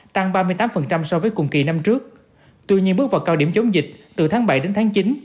tăng ba mươi tám so với cùng kỳ năm trước tuy nhiên bước vào cao điểm chống dịch từ tháng bảy đến tháng chín